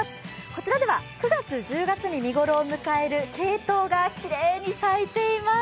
こちらでは９月１日に見頃を迎えるケイトウがきれいに咲いています。